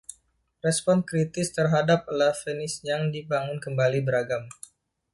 Respons kritis terhadap La Fenice yang dibangun kembali beragam.